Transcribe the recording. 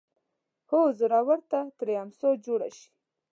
هو زورور ته ترې امسا جوړه شي